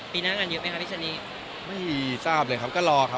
ปีน่ะงานเยอะไหมครับพี่สนิม